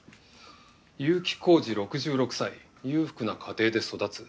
結城浩司６６歳裕福な家庭で育つ。